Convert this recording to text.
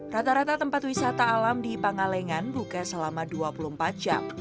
rata rata tempat wisata alam di pangalengan buka selama dua puluh empat jam